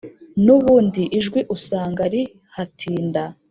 n’ubundi ijwi usanga rihatinda.